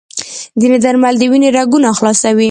ځینې درمل د وینې رګونه خلاصوي.